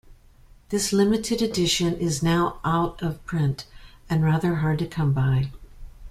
This limited edition is now out-of-print and rather hard to come by.